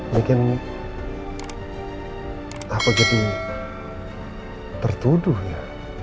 bikin apa jadi tertuduh ya